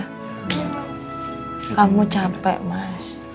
kamu capek mas